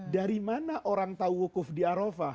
dari mana orang tahu wukuf di arafah